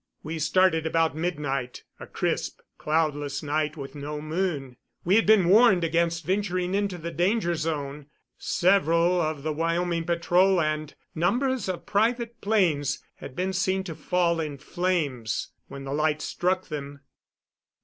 We started about midnight, a crisp, cloudless night with no moon. We had been warned against venturing into the danger zone; several of the Wyoming patrol and numbers of private planes had been seen to fall in flames when the light struck them.